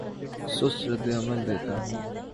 سست رد عمل دیتا ہوں